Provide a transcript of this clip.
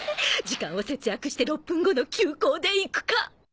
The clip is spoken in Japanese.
時間を節約して６分後の急行で行くか！